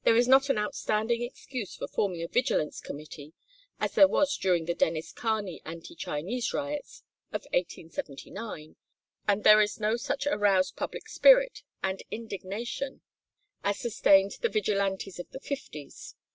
There is not an outstanding excuse for forming a vigilance committee, as there was during the Dennis Kearney Anti Chinese riots of 1879, and there is no such aroused public spirit and indignation as sustained the Vigilantes of the Fifties.